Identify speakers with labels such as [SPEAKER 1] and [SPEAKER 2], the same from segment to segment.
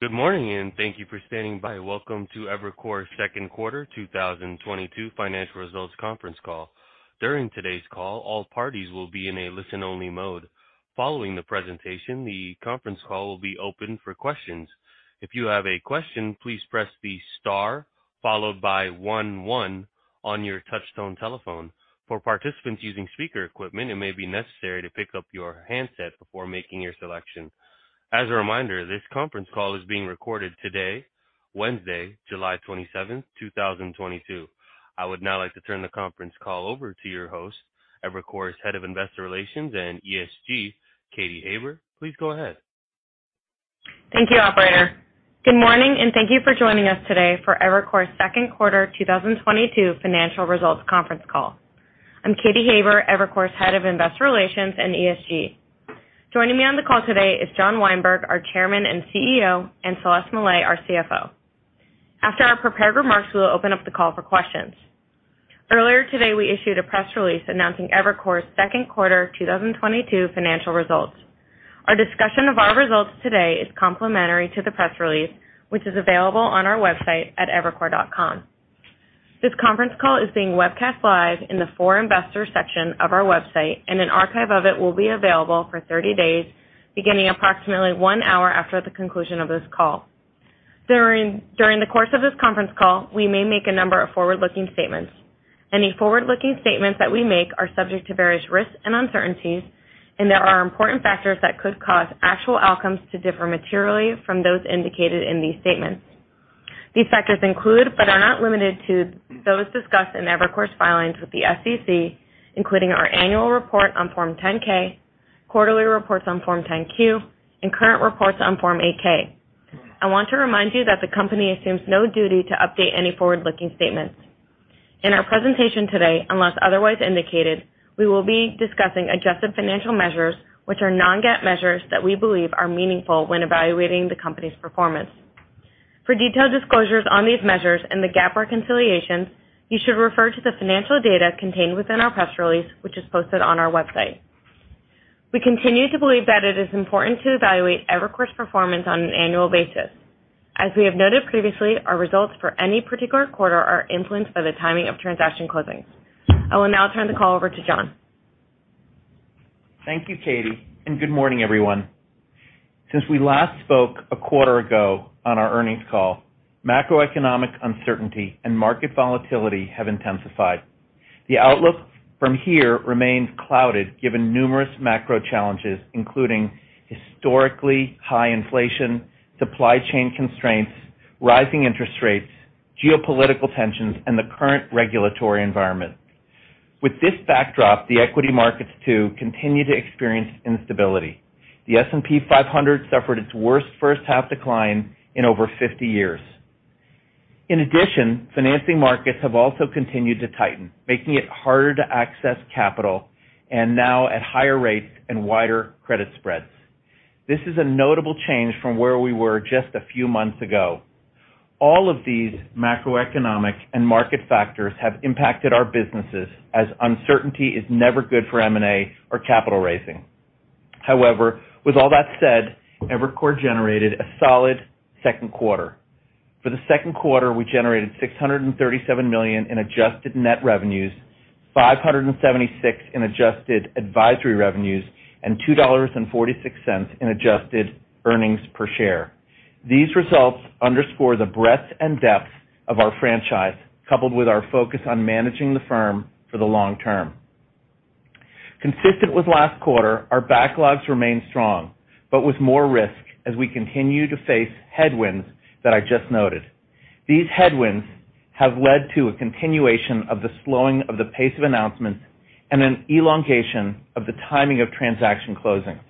[SPEAKER 1] Good morning, and thank you for standing by. Welcome to Evercore's Second Quarter 2022 Financial Results Conference Call. During today's call, all parties will be in a listen-only mode. Following the presentation, the conference call will be opened for questions. If you have a question, please press the star followed by one, one on your touchtone telephone. For participants using speaker equipment, it may be necessary to pick up your handset before making your selection. As a reminder, this conference call is being recorded today, Wednesday, July 27, 2022. I would now like to turn the conference call over to your host, Evercore's Head of Investor Relations & ESG, Katy Haber. Please go ahead.
[SPEAKER 2] Thank you, operator. Good morning, and thank you for joining us today for Evercore's Second Quarter 2022 Financial Results Conference Call. I'm Katy Haber, Evercore's Head of Investor Relations and ESG. Joining me on the call today is John Weinberg, our Chairman and CEO, and Celeste Mellet, our CFO. After our prepared remarks, we will open up the call for questions. Earlier today, we issued a press release announcing Evercore's second quarter 2022 financial results. Our discussion of our results today is complementary to the press release, which is available on our website at evercore.com. This conference call is being webcast live in the For Investors section of our website, and an archive of it will be available for 30 days, beginning approximately one hour after the conclusion of this call. During the course of this conference call, we may make a number of forward-looking statements. Any forward-looking statements that we make are subject to various risks and uncertainties, and there are important factors that could cause actual outcomes to differ materially from those indicated in these statements. These factors include, but are not limited to those discussed in Evercore's filings with the SEC, including our annual report on Form 10-K, quarterly reports on Form 10-Q, and current reports on Form 8-K. I want to remind you that the company assumes no duty to update any forward-looking statements. In our presentation today, unless otherwise indicated, we will be discussing adjusted financial measures, which are non-GAAP measures that we believe are meaningful when evaluating the company's performance. For detailed disclosures on these measures and the GAAP reconciliations, you should refer to the financial data contained within our press release, which is posted on our website. We continue to believe that it is important to evaluate Evercore's performance on an annual basis. As we have noted previously, our results for any particular quarter are influenced by the timing of transaction closings. I will now turn the call over to John.
[SPEAKER 3] Thank you, Katy, and good morning, everyone. Since we last spoke a quarter ago on our earnings call, macroeconomic uncertainty and market volatility have intensified. The outlook from here remains clouded, given numerous macro challenges, including historically high inflation, supply chain constraints, rising interest rates, geopolitical tensions, and the current regulatory environment. With this backdrop, the equity markets too continue to experience instability. The S&P 500 suffered its worst first half decline in over 50 years. In addition, financing markets have also continued to tighten, making it harder to access capital and now at higher rates and wider credit spreads. This is a notable change from where we were just a few months ago. All of these macroeconomic and market factors have impacted our businesses as uncertainty is never good for M&A or capital raising. However, with all that said, Evercore generated a solid second quarter. For the second quarter, we generated $637 million in adjusted net revenues, $576 million in adjusted advisory revenues, and $2.46 in adjusted earnings per share. These results underscore the breadth and depth of our franchise, coupled with our focus on managing the firm for the long term. Consistent with last quarter, our backlogs remain strong, but with more risk as we continue to face headwinds that I just noted. These headwinds have led to a continuation of the slowing of the pace of announcements and an elongation of the timing of transaction closings.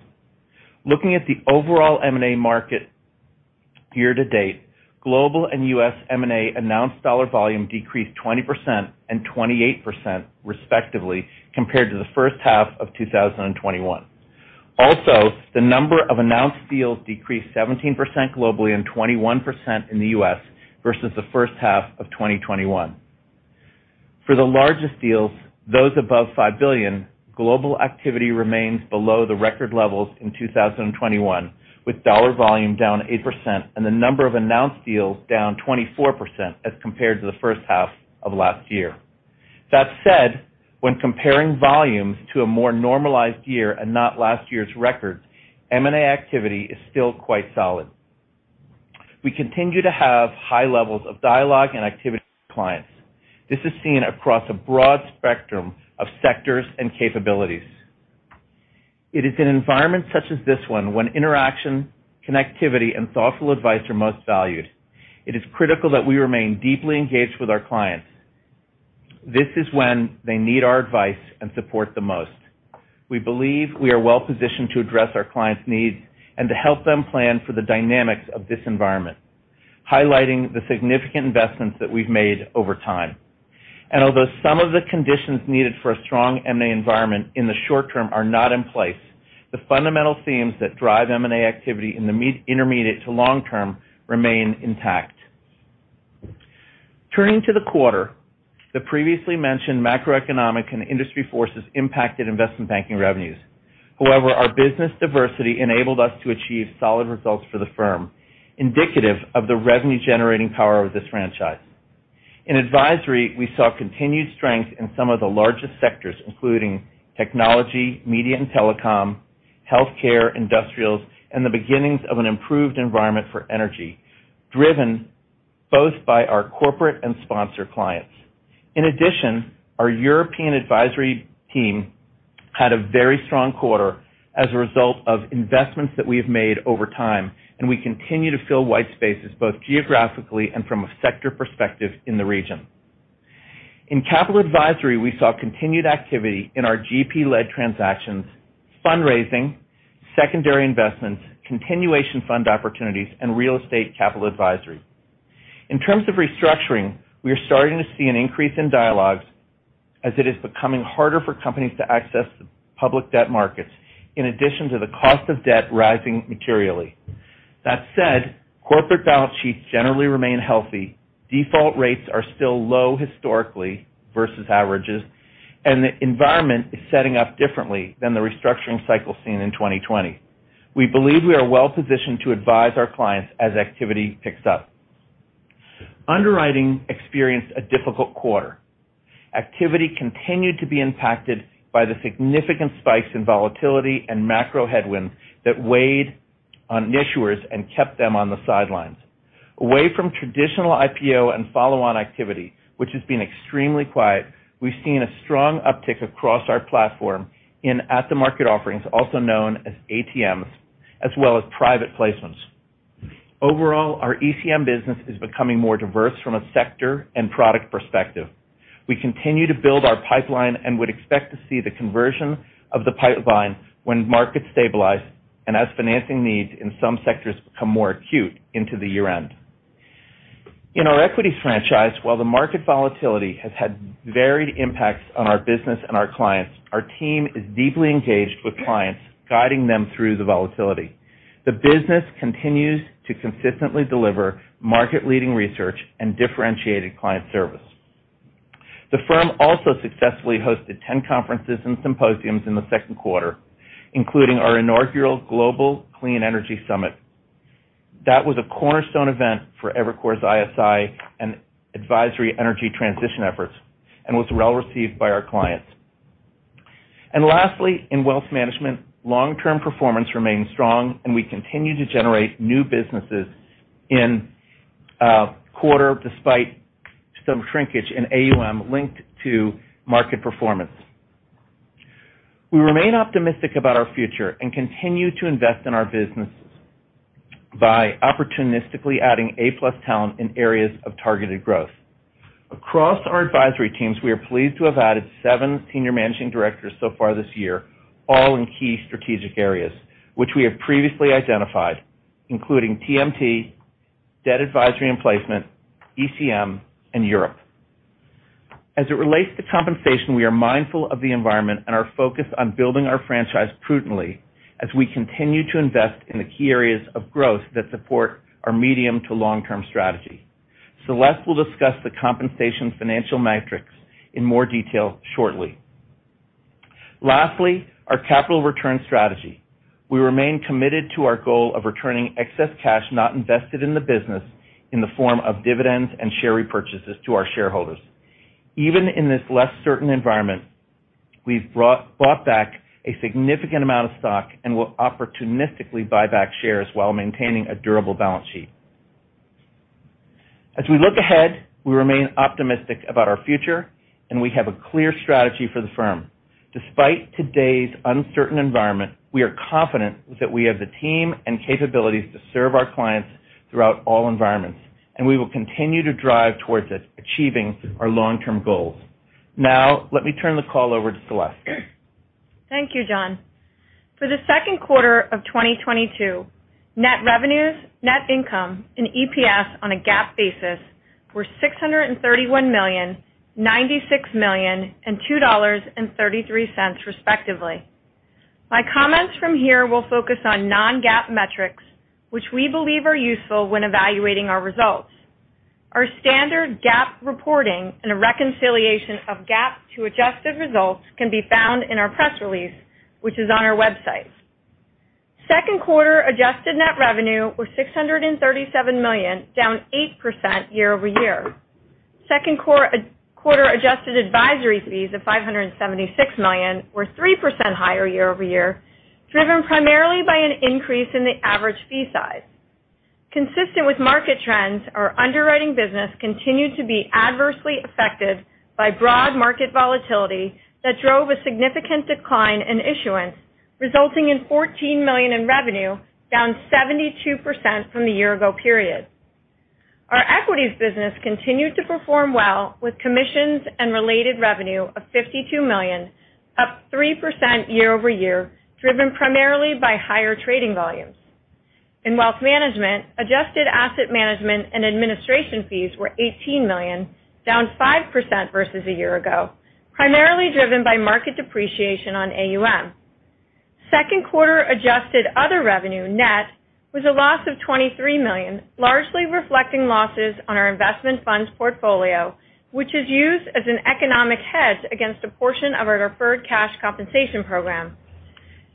[SPEAKER 3] Looking at the overall M&A market year-to-date, global and U.S. M&A announced dollar volume decreased 20% and 28%, respectively, compared to the first half of 2021. Also, the number of announced deals decreased 17% globally and 21% in the US versus the first half of 2021. For the largest deals, those above $5 billion, global activity remains below the record levels in 2021, with dollar volume down 8% and the number of announced deals down 24% as compared to the first half of last year. That said, when comparing volumes to a more normalized year and not last year's records, M&A activity is still quite solid. We continue to have high levels of dialogue and activity with clients. This is seen across a broad spectrum of sectors and capabilities. It is an environment such as this one when interaction, connectivity, and thoughtful advice are most valued. It is critical that we remain deeply engaged with our clients. This is when they need our advice and support the most. We believe we are well positioned to address our clients' needs and to help them plan for the dynamics of this environment, highlighting the significant investments that we've made over time. Although some of the conditions needed for a strong M&A environment in the short term are not in place, the fundamental themes that drive M&A activity in the intermediate to long term remain intact. Turning to the quarter, the previously mentioned macroeconomic and industry forces impacted investment banking revenues. However, our business diversity enabled us to achieve solid results for the firm, indicative of the revenue-generating power of this franchise. In Advisory, we saw continued strength in some of the largest sectors, including technology, media and telecom, healthcare, industrials, and the beginnings of an improved environment for energy, driven both by our corporate and sponsor clients. In addition, our European Advisory Team had a very strong quarter as a result of investments that we have made over time, and we continue to fill white spaces both geographically and from a sector perspective in the region. In Capital Advisory, we saw continued activity in our GP-led transactions, fundraising, secondary investments, continuation fund opportunities, and real estate capital advisory. In terms of restructuring, we are starting to see an increase in dialogues as it is becoming harder for companies to access the public debt markets, in addition to the cost of debt rising materially. That said, corporate balance sheets generally remain healthy, default rates are still low historically versus averages, and the environment is setting up differently than the restructuring cycle seen in 2020. We believe we are well-positioned to advise our clients as activity picks up. Underwriting, experienced a difficult quarter. Activity continued to be impacted by the significant spikes in volatility and macro headwinds that weighed on issuers and kept them on the sidelines. Away from traditional IPO and follow-on activity, which has been extremely quiet, we've seen a strong uptick across our platform in at-the-market offerings, also known as ATMs, as well as private placements. Overall, our ECM business is becoming more diverse from a sector and product perspective. We continue to build our pipeline and would expect to see the conversion of the pipeline when markets stabilize and as financing needs in some sectors become more acute into the year-end. In our Equity Franchise, while the market volatility has had varied impacts on our business and our clients, our team is deeply engaged with clients, guiding them through the volatility. The business continues to consistently deliver market-leading research and differentiated client service. The firm also successfully hosted 10 conferences and symposiums in the second quarter, including our inaugural Global Clean Energy Summit. That was a cornerstone event for Evercore's ISI and Advisory Energy Transition efforts and was well-received by our clients. Lastly, in Wealth Management, long-term performance remains strong, and we continue to generate new businesses in the quarter despite some shrinkage in AUM linked to market performance. We remain optimistic about our future and continue to invest in our businesses by opportunistically adding A-plus talent in areas of targeted growth. Across our Advisory teams, we are pleased to have added seven Senior Managing Directors so far this year, all in key strategic areas which we have previously identified, including TMT, Debt Advisory and Placement, ECM, and Europe. As it relates to compensation, we are mindful of the environment and are focused on building our franchise prudently as we continue to invest in the key areas of growth that support our medium to long-term strategy. Celeste will discuss the compensation financial metrics in more detail shortly. Lastly, our capital return strategy. We remain committed to our goal of returning excess cash not invested in the business in the form of dividends and share repurchases to our shareholders. Even in this less certain environment, we've brought back a significant amount of stock and will opportunistically buy back shares while maintaining a durable balance sheet. As we look ahead, we remain optimistic about our future, and we have a clear strategy for the firm. Despite today's uncertain environment, we are confident that we have the team and capabilities to serve our clients throughout all environments, and we will continue to drive towards achieving our long-term goals. Now, let me turn the call over to Celeste.
[SPEAKER 4] Thank you, John. For the second quarter of 2022, net revenues, net income and EPS on a GAAP basis were $631 million, $96 million and $2.33 respectively. My comments from here will focus on non-GAAP metrics, which we believe are useful when evaluating our results. Our standard GAAP reporting and a reconciliation of GAAP to adjusted results can be found in our press release, which is on our website. Second quarter adjusted net revenue was $637 million, down 8% year-over-year. Second quarter adjusted advisory fees of $576 million were 3% higher year-over-year, driven primarily by an increase in the average fee size. Consistent with market trends, our underwriting business continued to be adversely affected by broad market volatility that drove a significant decline in issuance, resulting in $14 million in revenue, down 72% from the year ago period. Our equities business continued to perform well with commissions and related revenue of $52 million, up 3% year over year, driven primarily by higher trading volumes. In Wealth Management, adjusted asset management and administration fees were $18 million, down 5% versus a year ago, primarily driven by market depreciation on AUM. Second quarter adjusted other revenue net was a loss of $23 million, largely reflecting losses on our investment funds portfolio, which is used as an economic hedge against a portion of our deferred cash compensation program.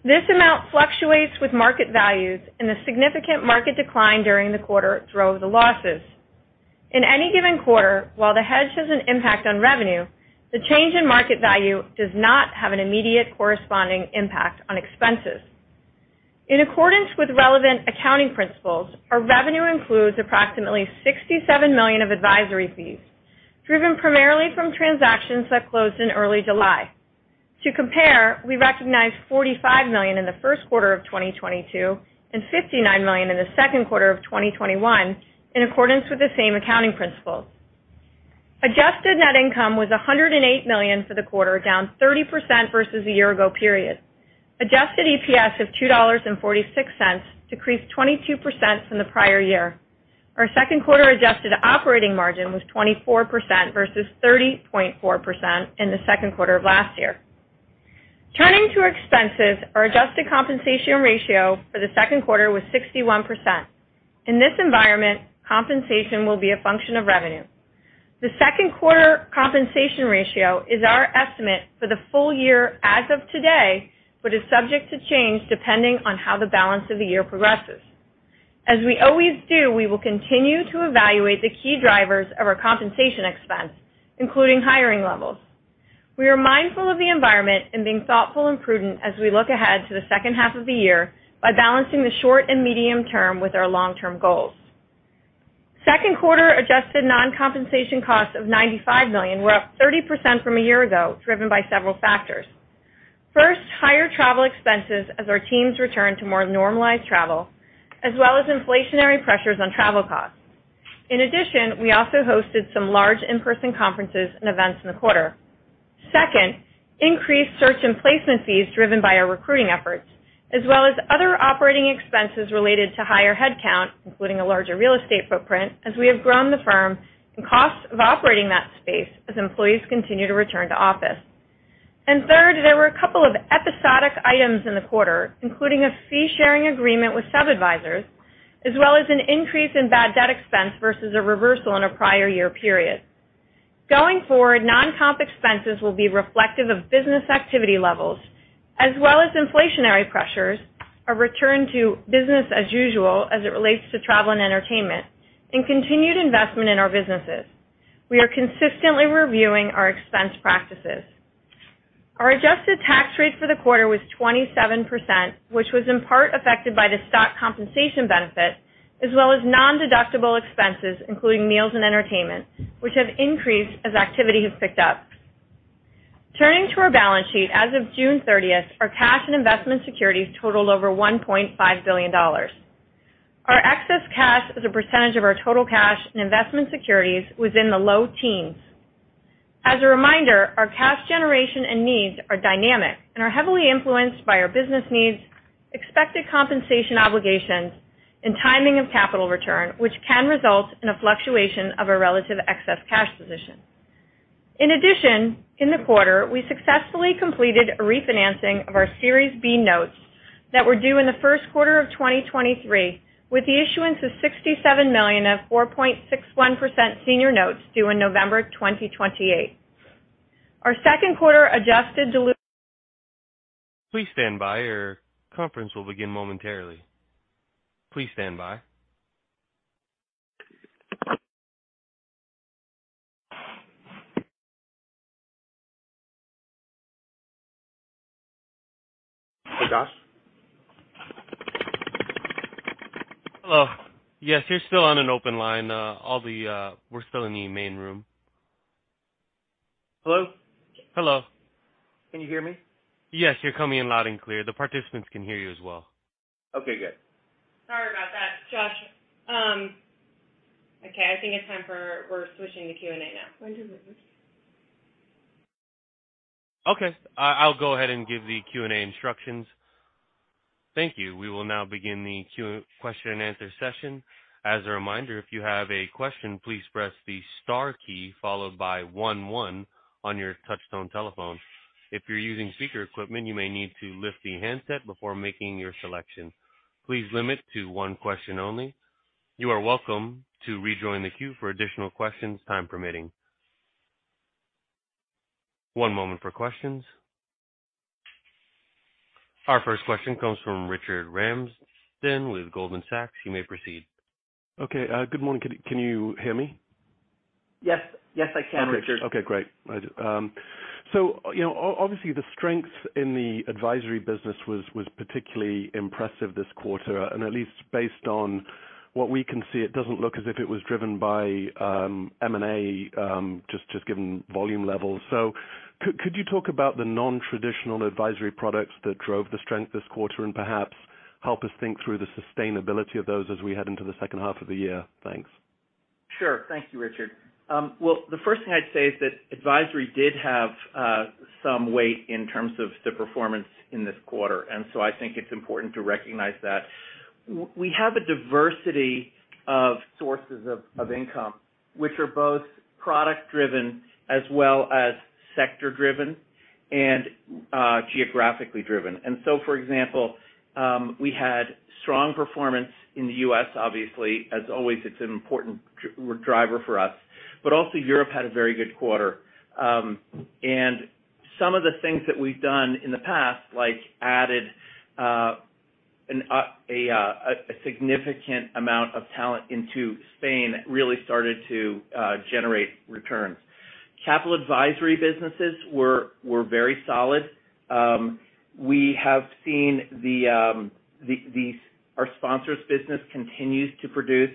[SPEAKER 4] This amount fluctuates with market values, and the significant market decline during the quarter drove the losses. In any given quarter, while the hedge has an impact on revenue, the change in market value does not have an immediate corresponding impact on expenses. In accordance with relevant accounting principles, our revenue includes approximately $67 million of advisory fees, driven primarily from transactions that closed in early July. To compare, we recognized $45 million in the first quarter of 2022 and $59 million in the second quarter of 2021 in accordance with the same accounting principles. Adjusted net income was $108 million for the quarter, down 30% versus a year ago period. Adjusted EPS of $2.46 decreased 22% from the prior year. Our second quarter adjusted operating margin was 24% versus 30.4% in the second quarter of last year. Turning to expenses, our adjusted compensation ratio for the second quarter was 61%. In this environment, compensation will be a function of revenue. The second quarter compensation ratio is our estimate for the full year as of today, but is subject to change depending on how the balance of the year progresses. As we always do, we will continue to evaluate the key drivers of our compensation expense, including hiring levels. We are mindful of the environment and being thoughtful and prudent as we look ahead to the second half of the year by balancing the short and medium term with our long-term goals. Second quarter adjusted non-compensation costs of $95 million were up 30% from a year ago, driven by several factors. First, higher travel expenses as our teams return to more normalized travel, as well as inflationary pressures on travel costs. In addition, we also hosted some large in-person conferences and events in the quarter. Second, increased search and placement fees driven by our recruiting efforts, as well as other operating expenses related to higher headcount, including a larger real estate footprint as we have grown the firm and costs of operating that space as employees continue to return to office. Third, there were a couple of episodic items in the quarter, including a fee-sharing agreement with sub-advisors, as well as an increase in bad debt expense versus a reversal in a prior year period. Going forward, non-comp expenses will be reflective of business activity levels as well as inflationary pressures, a return to business as usual as it relates to travel and entertainment, and continued investment in our businesses. We are consistently reviewing our expense practices. Our adjusted tax rate for the quarter was 27%, which was in part affected by the stock compensation benefit, as well as non-deductible expenses, including meals and entertainment, which have increased as activity has picked up. Turning to our balance sheet, as of June 30, our cash and investment securities totaled over $1.5 billion. Our excess cash as a percentage of our total cash and investment securities was in the low teens. As a reminder, our cash generation and needs are dynamic and are heavily influenced by our business needs, expected compensation obligations, and timing of capital return, which can result in a fluctuation of our relative excess cash position. In addition, in the quarter, we successfully completed a refinancing of our Series B notes that were due in the first quarter of 2023, with the issuance of $67 million of 4.61% senior notes due in November of 2028. Our second quarter adjusted dilu-
[SPEAKER 1] Please stand by. Your conference will begin momentarily. Please stand by.
[SPEAKER 3] Hey, Josh?
[SPEAKER 1] Hello. Yes, you're still on an open line. We're still in the main room.
[SPEAKER 3] Hello?
[SPEAKER 1] Hello.
[SPEAKER 3] Can you hear me?
[SPEAKER 1] Yes, you're coming in loud and clear. The participants can hear you as well.
[SPEAKER 3] Okay, good.
[SPEAKER 4] Sorry about that, Josh. Okay, I think it's time we're switching to Q&A now.
[SPEAKER 1] Okay. I'll go ahead and give the Q&A instructions. Thank you. We will now begin the question and answer session. As a reminder, if you have a question, please press the star key followed by one, one on your touchtone telephone. If you're using speaker equipment, you may need to lift the handset before making your selection. Please limit to one question only. You are welcome to rejoin the queue for additional questions, time permitting. One moment for questions. Our first question comes from Richard Ramsden with Goldman Sachs. You may proceed.
[SPEAKER 5] Okay. Good morning. Can you hear me?
[SPEAKER 3] Yes. Yes, I can, Richard.
[SPEAKER 5] Okay. Okay, great. You know, obviously, the strength in the advisory business was particularly impressive this quarter, and at least based on what we can see, it doesn't look as if it was driven by M&A, just given volume levels. Could you talk about the non-traditional advisory products that drove the strength this quarter and perhaps help us think through the sustainability of those as we head into the second half of the year? Thanks.
[SPEAKER 3] Sure. Thank you, Richard. Well, the first thing I'd say is that Advisory did have some weight in terms of the performance in this quarter, and so I think it's important to recognize that. We have a diversity of sources of income which are both product-driven as well as sector-driven and geographically driven. For example, we had strong performance in the U.S., obviously, as always, it's an important driver for us. Also Europe had a very good quarter. Some of the things that we've done in the past, like added a significant amount of talent into Spain, really started to generate returns. Capital advisory businesses were very solid. We have seen our sponsors business continues to produce.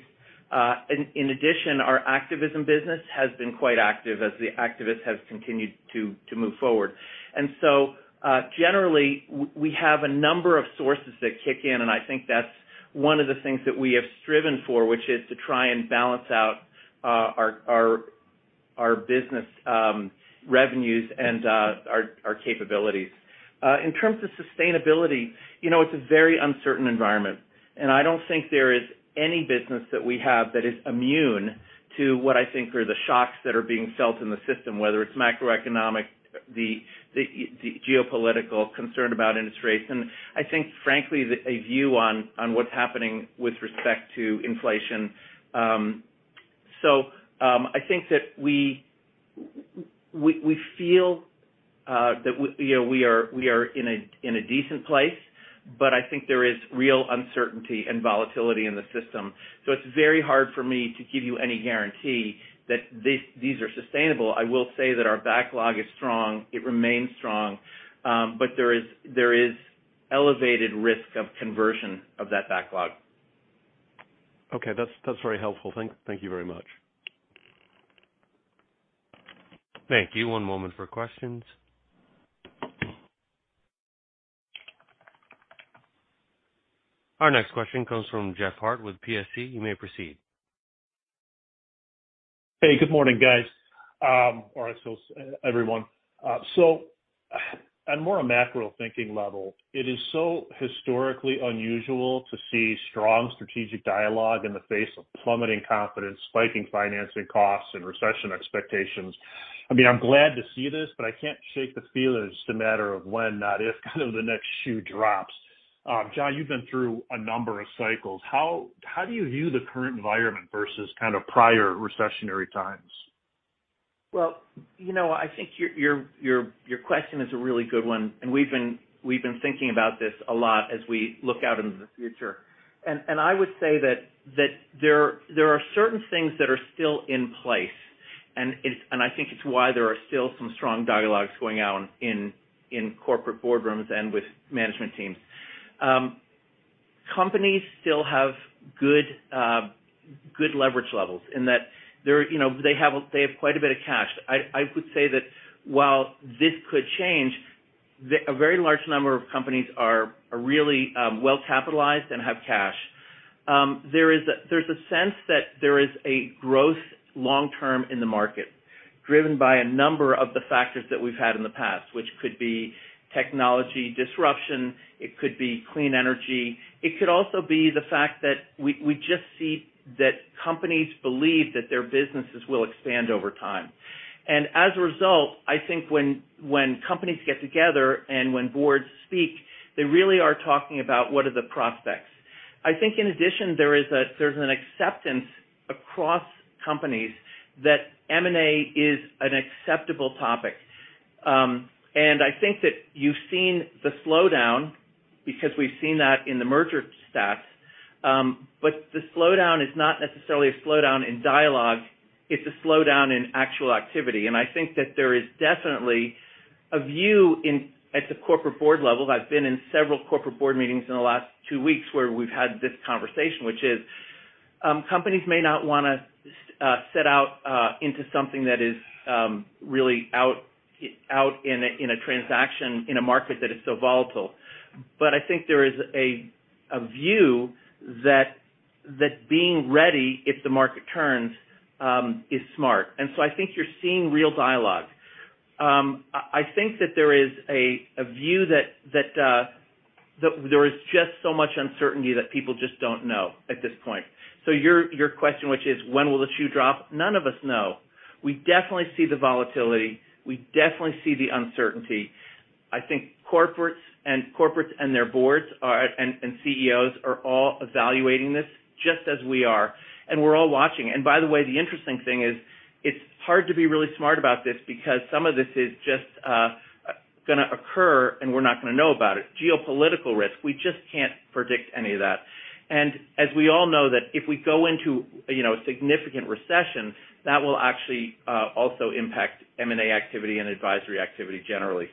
[SPEAKER 3] In addition, our activism business has been quite active as the activist has continued to move forward. Generally, we have a number of sources that kick in, and I think that's one of the things that we have striven for, which is to try and balance out our business revenues and our capabilities. In terms of sustainability, you know, it's a very uncertain environment, and I don't think there is any business that we have that is immune to what I think are the shocks that are being felt in the system, whether it's macroeconomic, the geopolitical, concern about interest rates. I think, frankly, a view on what's happening with respect to inflation. I think that we feel that, you know, we are in a decent place, but I think there is real uncertainty and volatility in the system. It’s very hard for me to give you any guarantee that these are sustainable. I will say that our backlog is strong. It remains strong, but there is elevated risk of conversion of that backlog.
[SPEAKER 1] Okay. That's very helpful. Thank you very much. Thank you. One moment for questions. Our next question comes from Jeff Harte with Piper Sandler. You may proceed.
[SPEAKER 6] Hey, good morning, guys. Or I suppose everyone. On more a macro thinking level, it is so historically unusual to see strong strategic dialogue in the face of plummeting confidence, spiking financing costs, and recession expectations. I mean, I'm glad to see this, but I can't shake the feeling it's just a matter of when, not if, kind of the next shoe drops. John, you've been through a number of cycles. How do you view the current environment versus kind of prior recessionary times?
[SPEAKER 3] Well, you know, I think your question is a really good one, and we've been thinking about this a lot as we look out into the future. I would say that there are certain things that are still in place, and I think it's why there are still some strong dialogues going on in corporate boardrooms and with management teams. Companies still have good leverage levels in that they're, you know, they have quite a bit of cash. I would say that while this could change, a very large number of companies are really well capitalized and have cash. There's a sense that there is a growth long term in the market driven by a number of the factors that we've had in the past, which could be technology disruption, it could be clean energy, it could also be the fact that we just see that companies believe that their businesses will expand over time. As a result, I think when companies get together and when boards speak, they really are talking about what are the prospects. I think in addition, there's an acceptance across companies that M&A is an acceptable topic. I think that you've seen the slowdown, because we've seen that in the merger stats, but the slowdown is not necessarily a slowdown in dialogue, it's a slowdown in actual activity. I think that there is definitely a view at the corporate board level. I've been in several corporate board meetings in the last two weeks where we've had this conversation, which is, companies may not wanna set out into something that is really out in a transaction in a market that is so volatile. I think there is a view that being ready if the market turns is smart. I think you're seeing real dialogue. I think that there is a view that there is just so much uncertainty that people just don't know at this point. Your question, which is when will the shoe drop? None of us know. We definitely see the volatility. We definitely see the uncertainty. I think corporates and their boards and CEOs are all evaluating this just as we are, and we're all watching. By the way, the interesting thing is it's hard to be really smart about this because some of this is just gonna occur, and we're not gonna know about it. Geopolitical risk, we just can't predict any of that. As we all know that if we go into you know a significant recession, that will actually also impact M&A activity and advisory activity generally.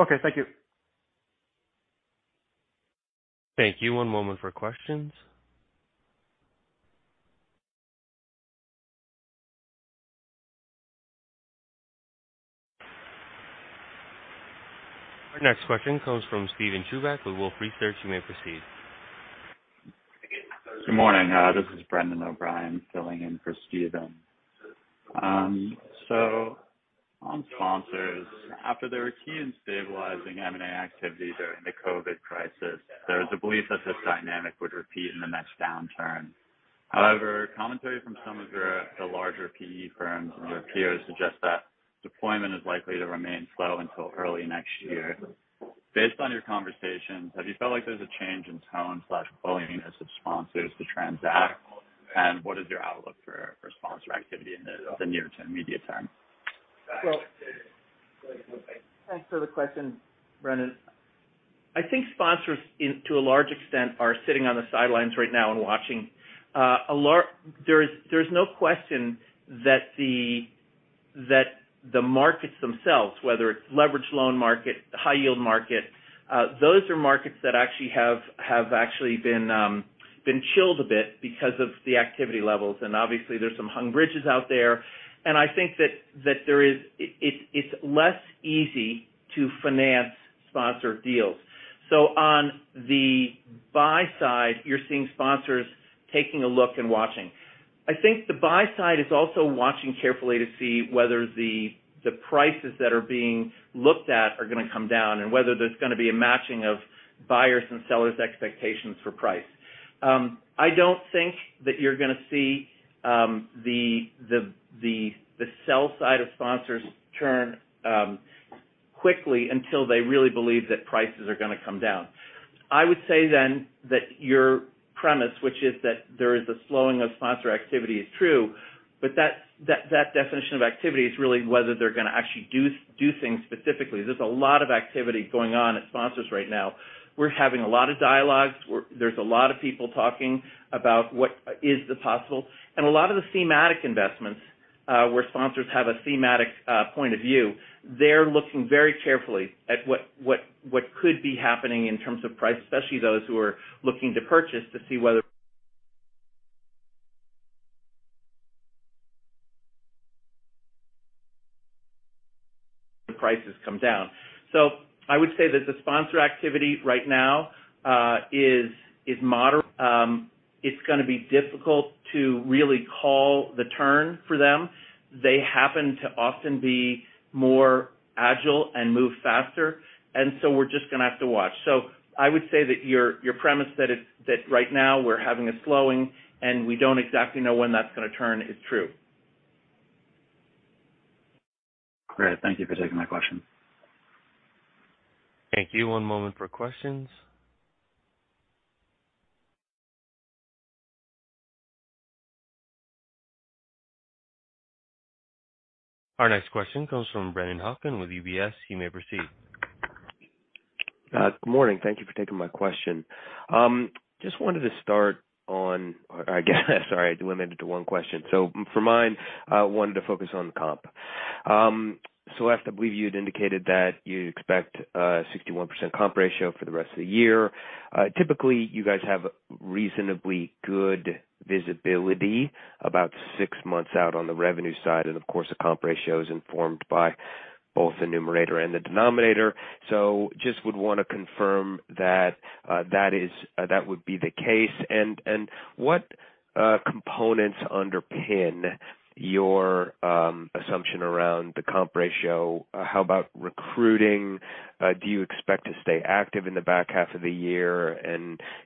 [SPEAKER 6] Okay. Thank you.
[SPEAKER 1] Thank you. One moment for questions. Our next question comes from Steven Chubak with Wolfe Research. You may proceed.
[SPEAKER 7] Good morning. This is Brendan O'Brien filling in for Steven. On sponsors, after they were key in stabilizing M&A activity during the COVID crisis, there was a belief that this dynamic would repeat in the next downturn. However, commentary from some of the larger PE firms and their peers suggest that deployment is likely to remain slow until early next year. Based on your conversations, have you felt like there's a change in tone plus willingness of sponsors to transact? What is your outlook for sponsor activity in the near to immediate term?
[SPEAKER 3] Well, thanks for the question, Brendan. I think sponsors to a large extent are sitting on the sidelines right now and watching. There is no question that the markets themselves, whether it's leveraged loan market, high-yield market, those are markets that actually have actually been chilled a bit because of the activity levels. Obviously, there's some hung bridges out there. I think it's less easy to finance sponsor deals. On the buy side, you're seeing sponsors taking a look and watching. I think the buy side is also watching carefully to see whether the prices that are being looked at are gonna come down and whether there's gonna be a matching of buyers' and sellers' expectations for price. I don't think that you're gonna see the sell side of sponsors turn quickly until they really believe that prices are gonna come down. I would say then that your premise, which is that there is a slowing of sponsor activity is true, but that definition of activity is really whether they're gonna actually do things specifically. There's a lot of activity going on at sponsors right now. We're having a lot of dialogues. There's a lot of people talking about what is the possible. A lot of the thematic investments where sponsors have a thematic point of view, they're looking very carefully at what could be happening in terms of price, especially those who are looking to purchase to see whether prices come down. I would say that the sponsor activity right now is moderate. It's gonna be difficult to really call the turn for them. They happen to often be more agile and move faster, and so we're just gonna have to watch. I would say that your premise that right now we're having a slowing, and we don't exactly know when that's gonna turn is true.
[SPEAKER 7] Great. Thank you for taking my question.
[SPEAKER 1] Thank you. One moment for questions. Our next question comes from Brennan Hawken with UBS. You may proceed.
[SPEAKER 8] Good morning. Thank you for taking my question. Just wanted to start on. I guess, sorry, I'm limited to one question. For mine, I wanted to focus on comp. I have to believe you had indicated that you expect a 61% comp ratio for the rest of the year. Typically, you guys have reasonably good visibility about six months out on the revenue side. Of course, the comp ratio is informed by both the numerator and the denominator. Just would wanna confirm that that would be the case. What components underpin your assumption around the comp ratio? How about recruiting? Do you expect to stay active in the back half of the year?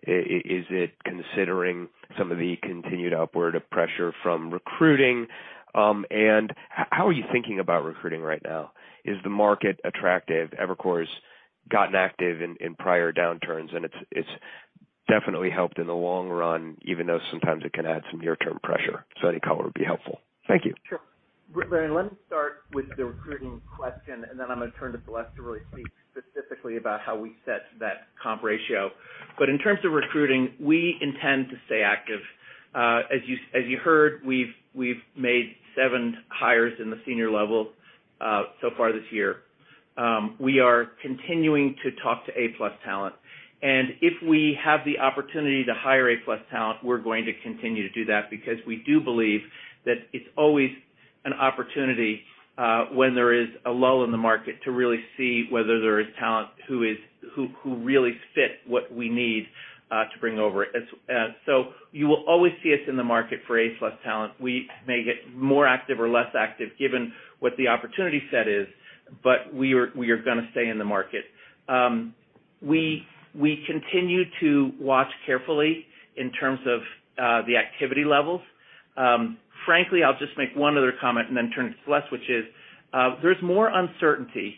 [SPEAKER 8] Is it considering some of the continued upward pressure from recruiting? How are you thinking about recruiting right now? Is the market attractive? Evercore's gotten active in prior downturns, and it's definitely helped in the long run, even though sometimes it can add some near-term pressure. Any color would be helpful. Thank you.
[SPEAKER 3] Sure. Brennan, let me start with the recruiting question, and then I'm gonna turn to Celeste to really speak specifically about how we set that comp ratio. In terms of recruiting, we intend to stay active. As you heard, we've made seven hires in the senior level so far this year. We are continuing to talk to A-plus talent. If we have the opportunity to hire A-plus talent, we're going to continue to do that because we do believe that it's always an opportunity when there is a lull in the market to really see whether there is talent who really fit what we need to bring over. You will always see us in the market for A-plus talent. We may get more active or less active given what the opportunity set is, but we are gonna stay in the market. We continue to watch carefully in terms of the activity levels. Frankly, I'll just make one other comment and then turn to Celeste, which is, there's more uncertainty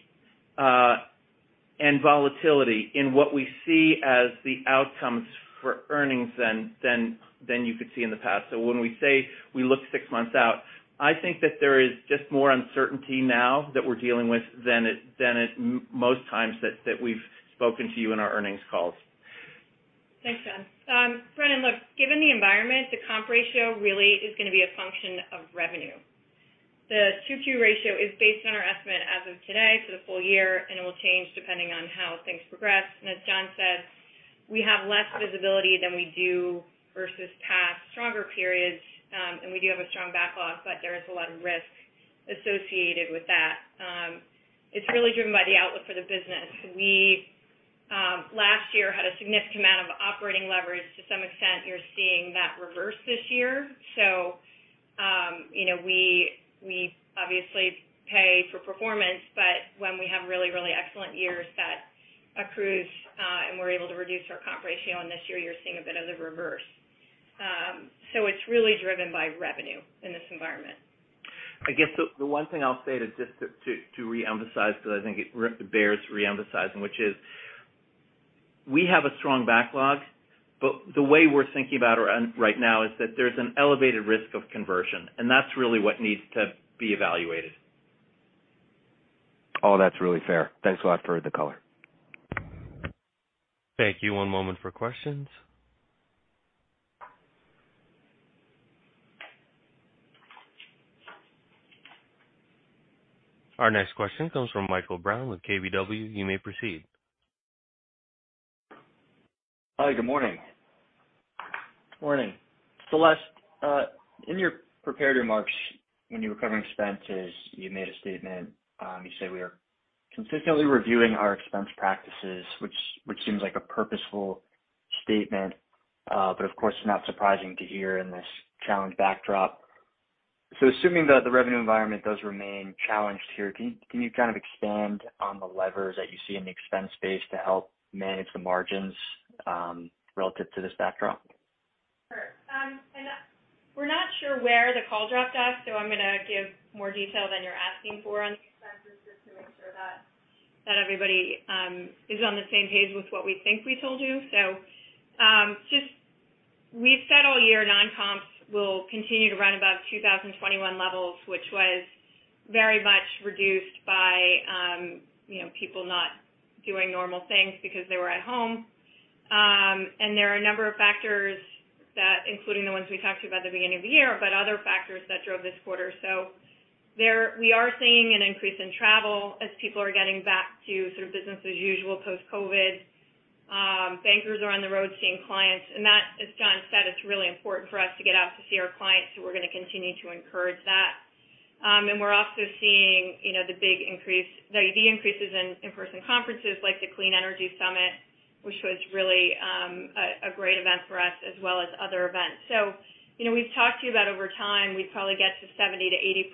[SPEAKER 3] and volatility in what we see as the outcomes for earnings than you could see in the past. When we say we look six months out, I think that there is just more uncertainty now that we're dealing with than at most times that we've spoken to you in our earnings calls.
[SPEAKER 4] Thanks, John. Brennan, look, given the environment, the comp ratio really is gonna be a function of revenue. The 2Q ratio is based on our estimate as of today for the full year, and it will change depending on how things progress. As John said, we have less visibility than we do versus past stronger periods. We do have a strong backlog, but there is a lot of risk associated with that. It's really driven by the outlook for the business. We, last year had a significant amount of operating leverage. To some extent, you're seeing that reverse this year. You know, we obviously pay for performance, but when we have really, really excellent years that accrues, and we're able to reduce our comp ratio, and this year you're seeing a bit of the reverse. It's really driven by revenue in this environment.
[SPEAKER 3] I guess the one thing I'll say to just to reemphasize 'cause I think it bears reemphasizing, which is we have a strong backlog, but the way we're thinking about our right now is that there's an elevated risk of conversion, and that's really what needs to be evaluated.
[SPEAKER 8] Oh, that's really fair. Thanks a lot for the color.
[SPEAKER 1] Thank you. One moment for questions. Our next question comes from Michael Brown with KBW. You may proceed.
[SPEAKER 9] Hi, good morning.
[SPEAKER 3] Morning.
[SPEAKER 9] Celeste, in your prepared remarks, when you were covering expenses, you made a statement, you say, "We are consistently reviewing our expense practices," which seems like a purposeful statement, but of course not surprising to hear in this challenged backdrop. Assuming that the revenue environment does remain challenged here, can you kind of expand on the levers that you see in the expense space to help manage the margins, relative to this backdrop?
[SPEAKER 4] Sure. We're not sure where the call dropped off, so I'm gonna give more detail than you're asking for on the expenses just to make sure that everybody is on the same page with what we think we told you. We've said all year non-comps will continue to run above 2021 levels, which was very much reduced by, you know, people not doing normal things because they were at home. There are a number of factors that, including the ones we talked about at the beginning of the year, but other factors that drove this quarter. We are seeing an increase in travel as people are getting back to sort of business as usual post-COVID. Bankers are on the road seeing clients, and that, as John said, it's really important for us to get out to see our clients, so we're gonna continue to encourage that. We're also seeing, you know, the increases in in-person conferences like the Clean Energy Summit, which was really a great event for us as well as other events. You know, we've talked to you about over time, we probably get to 70%-80%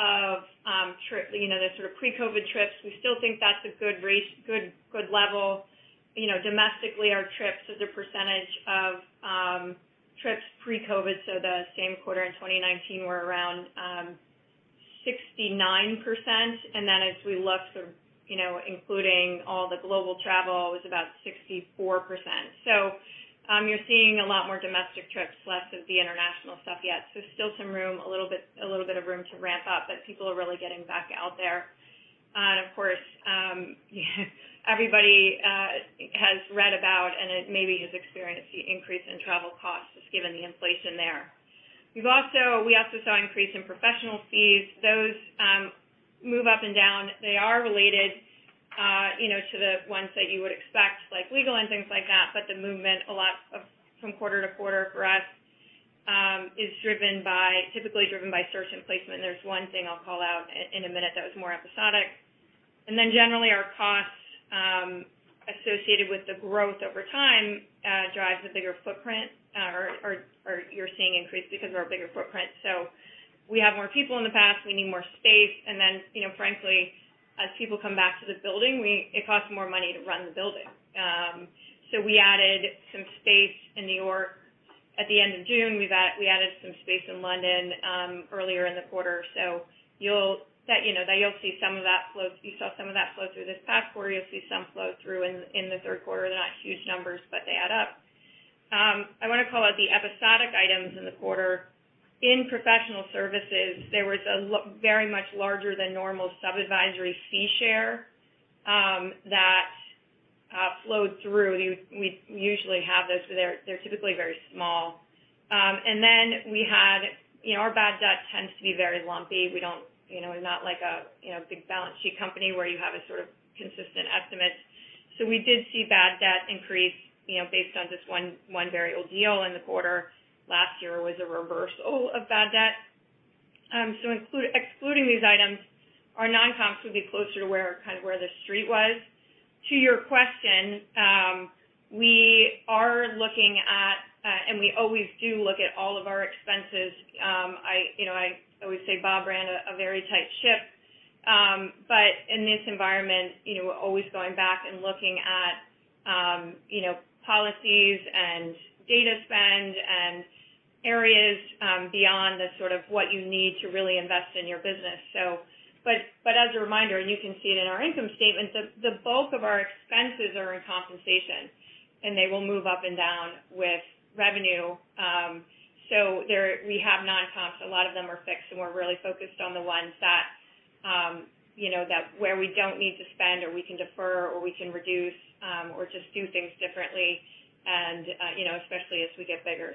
[SPEAKER 4] of the sort of pre-COVID trips. We still think that's a good level. You know, domestically, our trips as a percentage of trips pre-COVID, so the same quarter in 2019 were around 69%. Then as we look sort of, you know, including all the global travel was about 64%. You're seeing a lot more domestic trips, less of the international stuff yet. Still some room, a little bit of room to ramp up, but people are really getting back out there. Of course, everybody has read about and maybe has experienced the increase in travel costs just given the inflation there. We also saw increase in professional fees. Those move up and down. They are related, you know, to the ones that you would expect, like legal and things like that, but the movement a lot from quarter to quarter for us is driven by, typically driven by search and placement. There's one thing I'll call out in a minute that was more episodic. Generally our costs associated with the growth over time drives a bigger footprint, or you're seeing increase because of our bigger footprint. We have more people in the past, we need more space. You know, frankly, as people come back to the building, it costs more money to run the building. So we added some space in New York at the end of June. We added some space in London earlier in the quarter. You saw some of that flow through this past quarter. You'll see some flow through in the third quarter. They're not huge numbers, but they add up. I wanna call out the episodic items in the quarter. In professional services, there was a very much larger than normal sub-advisory fee share that flowed through. We usually have those, but they're typically very small. We had our bad debt tends to be very lumpy. We don't, you know, we're not like a big balance sheet company where you have a sort of consistent estimate. We did see bad debt increase, you know, based on just one very old deal in the quarter. Last year was a reversal of bad debt. Excluding these items, our non-comps would be closer to where, kind of where the street was. To your question, we are looking at, and we always do look at all of our expenses. I, you know, I always say Bob ran a very tight ship. In this environment, you know, we're always going back and looking at, you know, policies and data spend and areas beyond the sort of what you need to really invest in your business. As a reminder, and you can see it in our income statement, the bulk of our expenses are in compensation, and they will move up and down with revenue. There we have non-comps. A lot of them are fixed, and we're really focused on the ones that, you know, that where we don't need to spend or we can defer or we can reduce, or just do things differently and, you know, especially as we get bigger.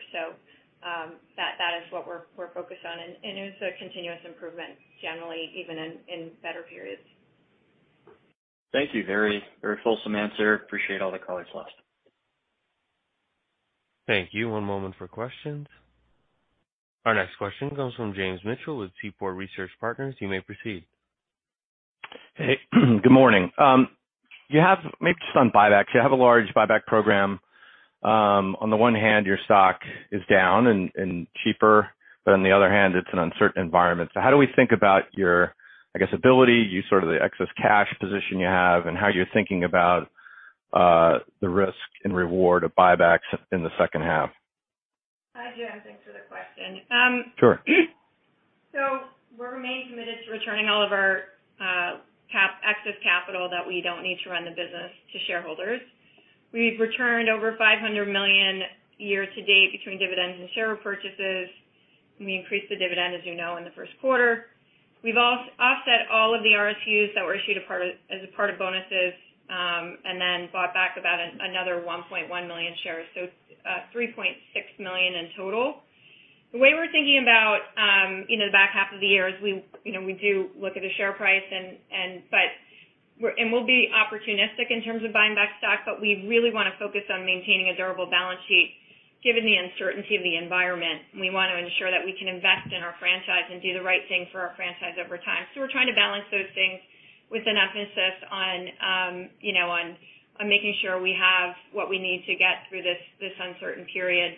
[SPEAKER 4] That is what we're focused on and it is a continuous improvement generally, even in better periods.
[SPEAKER 9] Thank you. Very, very fulsome answer. Appreciate all the color, Celeste.
[SPEAKER 1] Thank you. One moment for questions. Our next question comes from James Mitchell with Seaport Research Partners. You may proceed.
[SPEAKER 10] Hey. Good morning. Maybe just on buybacks. You have a large buyback program. On the one hand, your stock is down and cheaper, but on the other hand, it's an uncertain environment. How do we think about your ability, I guess, you sort of the excess cash position you have and how you're thinking about the risk and reward of buybacks in the second half?
[SPEAKER 4] Hi, James. Thanks for the question.
[SPEAKER 10] Sure.
[SPEAKER 4] We remain committed to returning all of our excess capital that we don't need to run the business to shareholders. We've returned over $500 million year-to-date between dividends and share repurchases, and we increased the dividend, as you know, in the first quarter. We've also offset all of the RSUs that were issued as a part of bonuses, and then bought back about another 1.1 million shares, so 3.6 million in total. The way we're thinking about, you know, the back half of the year is we, you know, we do look at a share price and, but we'll be opportunistic in terms of buying back stock, but we really wanna focus on maintaining a durable balance sheet, given the uncertainty of the environment. We want to ensure that we can invest in our franchise and do the right thing for our franchise over time. We're trying to balance those things with an emphasis on, you know, on making sure we have what we need to get through this uncertain period.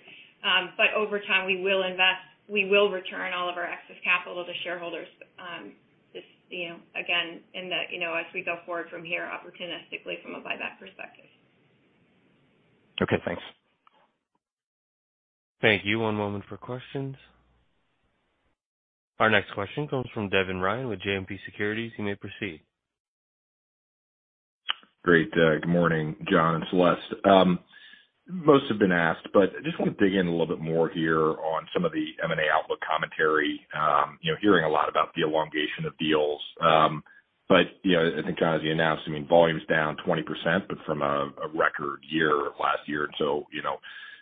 [SPEAKER 4] Over time, we will invest. We will return all of our excess capital to shareholders, just, you know, again, in the, you know, as we go forward from here opportunistically from a buyback perspective.
[SPEAKER 10] Okay, thanks.
[SPEAKER 1] Thank you. One moment for questions. Our next question comes from Devin Ryan with JMP Securities. You may proceed.
[SPEAKER 11] Great. Good morning, John and Celeste. Most have been asked, but I just wanna dig in a little bit more here on some of the M&A outlook commentary. You know, hearing a lot about the elongation of deals. You know, I think, John, as you announced, I mean, volume's down 20%, but from a record year last year. You know,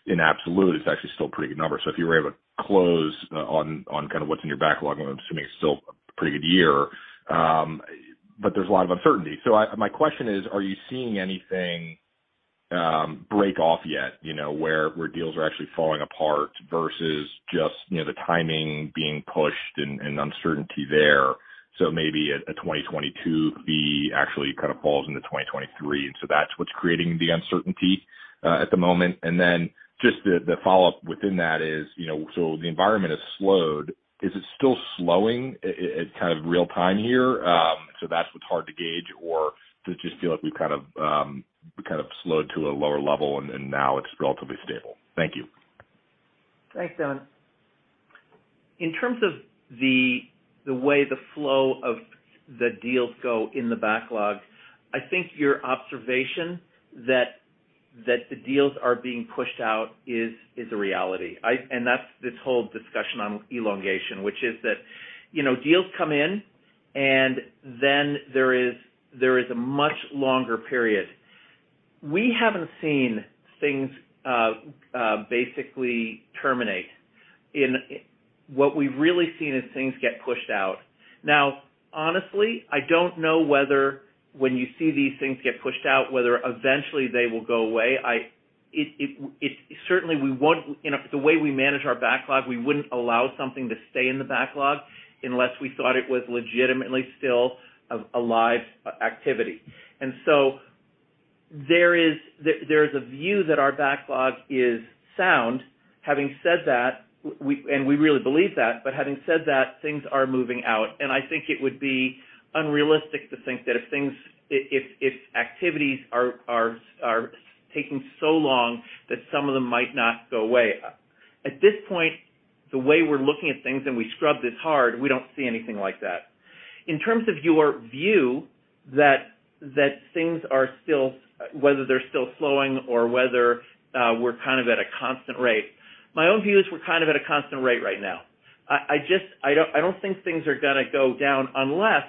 [SPEAKER 11] in absolute, it's actually still a pretty good number. If you were able to close on kind of what's in your backlog, I'm assuming it's still a pretty good year. There's a lot of uncertainty. My question is, are you seeing anything break off yet, you know, where deals are actually falling apart versus just, you know, the timing being pushed and uncertainty there? Maybe a 2022 fee actually kind of falls into 2023, and that's what's creating the uncertainty at the moment. Then just the follow-up within that is, you know, so the environment has slowed. Is it still slowing in real time here? That's what's hard to gauge. Does it just feel like we've kind of slowed to a lower level and now it's relatively stable? Thank you.
[SPEAKER 3] Thanks, Devin. In terms of the way the flow of the deals go in the backlog, I think your observation that the deals are being pushed out is a reality. That's this whole discussion on elongation, which is that, you know, deals come in, and then there is a much longer period. We haven't seen things basically terminate. What we've really seen is things get pushed out. Now, honestly, I don't know whether when you see these things get pushed out, whether eventually they will go away. It certainly, we wouldn't, you know, the way we manage our backlog, we wouldn't allow something to stay in the backlog unless we thought it was legitimately still a live activity. There is a view that our backlog is sound. Having said that, we really believe that, but having said that, things are moving out. I think it would be unrealistic to think that if things, if activities are taking so long that some of them might not go away. At this point, the way we're looking at things, and we scrubbed this hard, we don't see anything like that. In terms of your view that things are still whether they're still slowing or whether we're kind of at a constant rate, my own view is we're kind of at a constant rate right now. I just don't think things are gonna go down unless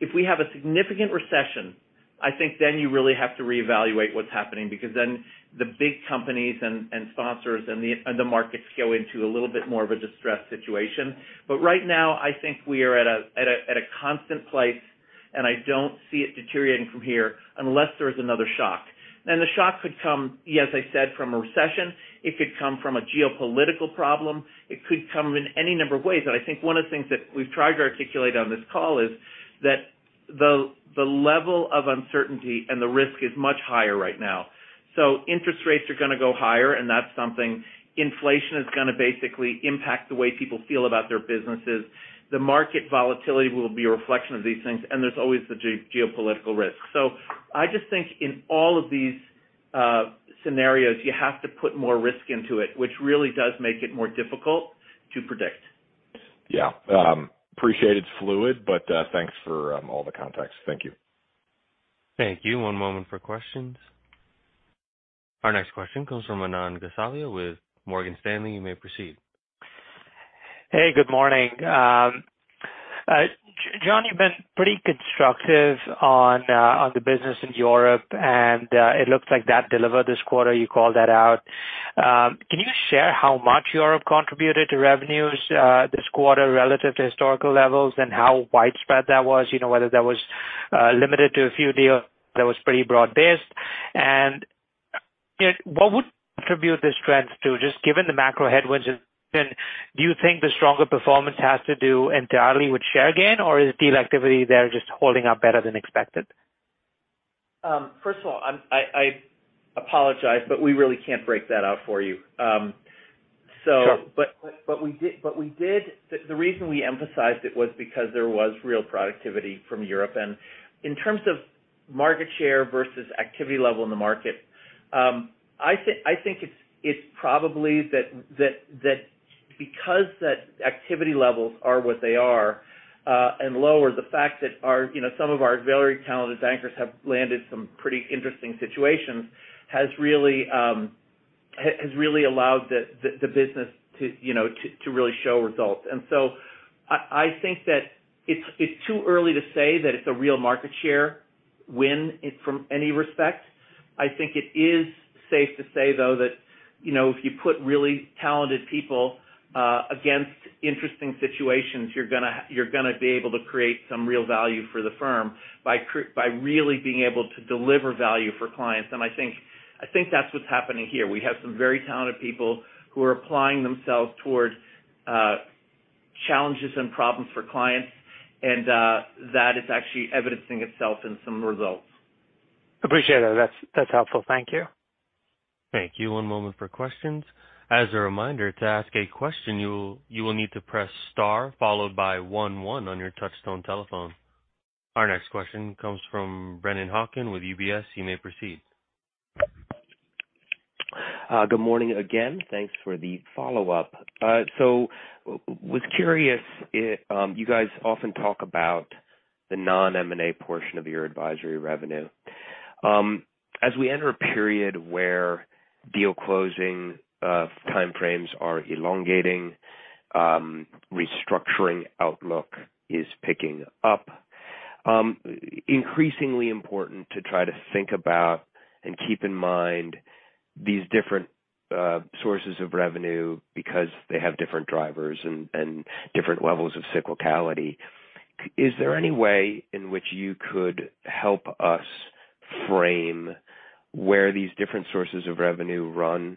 [SPEAKER 3] if we have a significant recession. I think then, you really have to reevaluate what's happening because the big companies and sponsors and the markets go into a little bit more of a distressed situation. Right now, I think we are at a constant place, and I don't see it deteriorating from here unless there is another shock. The shock could come, yes, as I said, from a recession. It could come from a geopolitical problem. It could come in any number of ways. I think one of the things that we've tried to articulate on this call is that the level of uncertainty and the risk is much higher right now. Interest rates are gonna go higher, and that's something. Inflation is gonna basically impact the way people feel about their businesses. The market volatility will be a reflection of these things, and there's always the geopolitical risk. I just think in all of these scenarios, you have to put more risk into it, which really does make it more difficult to predict.
[SPEAKER 11] Yeah. Appreciate it's fluid, but thanks for all the context. Thank you.
[SPEAKER 1] Thank you. One moment for questions. Our next question comes from Manan Gosalia with Morgan Stanley. You may proceed.
[SPEAKER 12] Hey, good morning. John, you've been pretty constructive on the business in Europe, and it looks like that delivered this quarter. You called that out. Can you share how much Europe contributed to revenues this quarter relative to historical levels and how widespread that was? You know, whether that was limited to a few deals or that was pretty broad-based. You know, what would attribute this trend to just given the macro headwinds? Do you think the stronger performance has to do entirely with share gain, or is deal activity there just holding up better than expected?
[SPEAKER 3] First of all, I apologize, but we really can't break that out for you.
[SPEAKER 12] Sure.
[SPEAKER 3] The reason we emphasized it was because there was real productivity from Europe. In terms of market share versus activity level in the market, I think it's probably, because activity levels are what they are and low, the fact that our, you know, some of our very talented bankers have landed some pretty interesting situations, has really allowed the business to, you know, to really show results. I think that it's too early to say that it's a real market share win in any respect. I think it is safe to say, though, that, you know, if you put really talented people against interesting situations, you're gonna be able to create some real value for the firm by really being able to deliver value for clients. I think that's what's happening here. We have some very talented people who are applying themselves toward challenges and problems for clients, and that is actually evidencing itself in some results.
[SPEAKER 12] Appreciate it. That's helpful. Thank you.
[SPEAKER 1] Thank you. One moment for questions. As a reminder, to ask a question, you will need to press star followed by one, one, on your touchtone telephone. Our next question comes from Brennan Hawken with UBS. You may proceed.
[SPEAKER 8] Good morning again. Thanks for the follow-up. I was curious. You guys often talk about the non-M&A portion of your advisory revenue. As we enter a period where deal closing time frames are elongating, restructuring outlook is picking up, increasingly important to try to think about and keep in mind these different sources of revenue because they have different drivers and different levels of cyclicality. Is there any way in which you could help us frame where these different sources of revenue run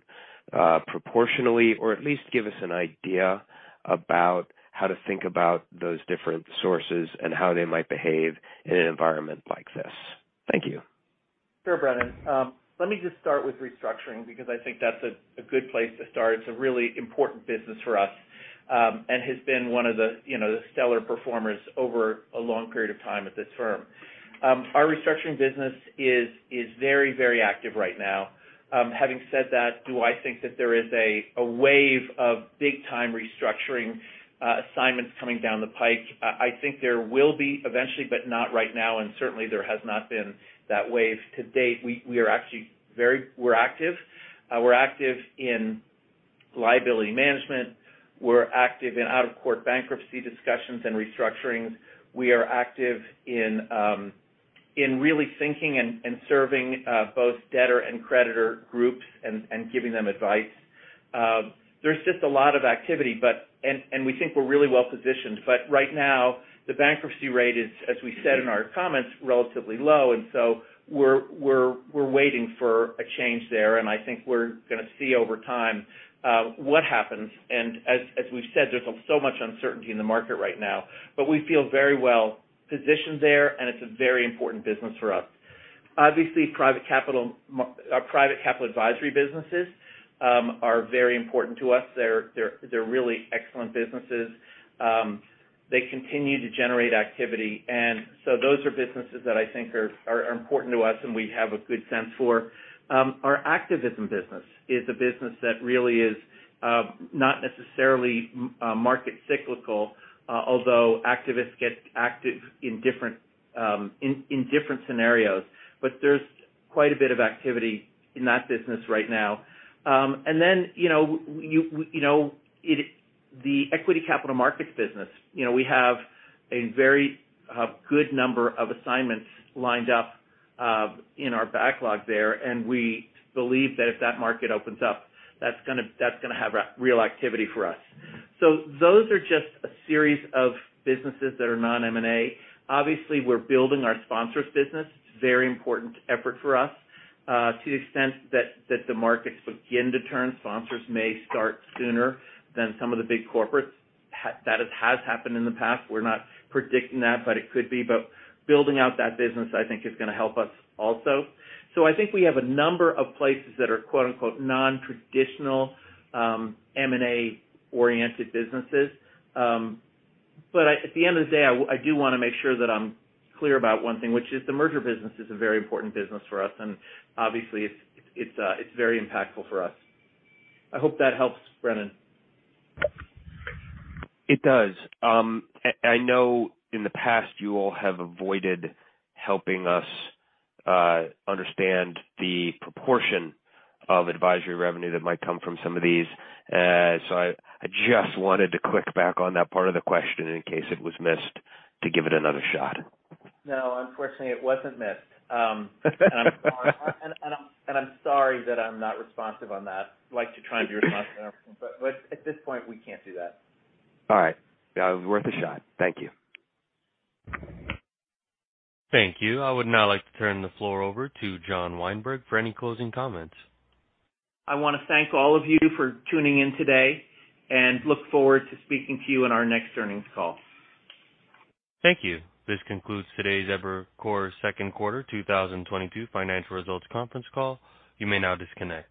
[SPEAKER 8] proportionally or at least give us an idea about how to think about those different sources and how they might behave in an environment like this? Thank you.
[SPEAKER 3] Sure, Brennan. Let me just start with restructuring because I think that's a good place to start. It's a really important business for us, and has been one of the, you know, the stellar performers over a long period of time at this firm. Our restructuring business is very active right now. Having said that, do I think that there is a wave of big-time restructuring assignments coming down the pike? I think there will be eventually, but not right now, and certainly, there has not been that wave to date. We are actually very active. We're active in liability management. We're active in out-of-court bankruptcy discussions and restructurings. We are active in really thinking and serving both debtor and creditor groups and giving them advice. There's just a lot of activity, but, and we think we're really well-positioned. Right now, the bankruptcy rate is, as we said in our comments, relatively low, and so we're waiting for a change there. I think we're gonna see over time what happens. As we've said, there's so much uncertainty in the market right now. We feel very well-positioned there, and it's a very important business for us. Obviously, private capital advisory businesses are very important to us. They're really excellent businesses. They continue to generate activity. Those are businesses that I think are important to us and we have a good sense for. Our activism business is a business that really is not necessarily market cyclical, although activists get active in different scenarios. There's quite a bit of activity in that business right now. You know, the equity capital markets business, you know, we have a very good number of assignments lined up in our backlog there, and we believe that if that market opens up, that's gonna have a real activity for us. Those are just a series of businesses that are non-M&A. Obviously, we're building our sponsors business. It's a very important effort for us. To the extent that the markets begin to turn, sponsors may start sooner than some of the big corporates. That has happened in the past. We're not predicting that, but it could be. Building out that business, I think is gonna help us also. I think we have a number of places that are, "non-traditional M&A-oriented businesses”. At the end of the day, I do wanna make sure that I'm clear about one thing, which is the merger business is a very important business for us, and obviously, it's very impactful for us. I hope that helps, Brennan.
[SPEAKER 8] It does. I know in the past you all have avoided helping us understand the proportion of advisory revenue that might come from some of these. I just wanted to click back on that part of the question in case it was missed, to give it another shot.
[SPEAKER 3] No, unfortunately, it wasn't missed. I'm sorry that I'm not responsive on that. Like to try and be responsive, but at this point, we can't do that.
[SPEAKER 8] All right. Worth a shot. Thank you.
[SPEAKER 1] Thank you. I would now like to turn the floor over to John Weinberg for any closing comments.
[SPEAKER 3] I wanna thank all of you for tuning in today and look forward to speaking to you in our next earnings call.
[SPEAKER 1] Thank you. This concludes today's Evercore's second quarter 2022 financial results conference call. You may now disconnect.